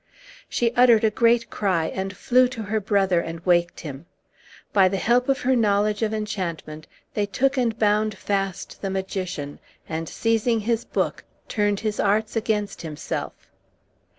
She uttered a great cry, and flew to her brother, and waked him. By the help of her knowledge of enchantment, they took and bound fast the magician, and, seizing his book, turned his arts against himself.